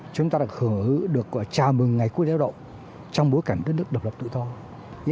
chúng ta đã được chào mừng ngày quốc tế lao động trong bối cảnh đất nước độc lập tự do